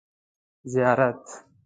زیارت